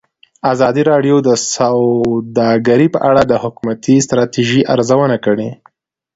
ازادي راډیو د سوداګري په اړه د حکومتي ستراتیژۍ ارزونه کړې.